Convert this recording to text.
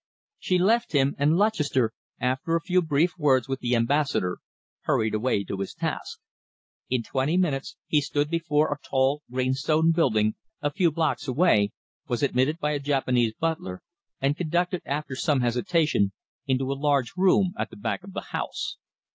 She left him, and Lutchester, after a few brief words with the Ambassador, hurried away to his task. In twenty minutes he stood before a tall, grey stone building, a few blocks away, was admitted by a Japanese butler, and conducted, after some hesitation, into a large room at the back of the house.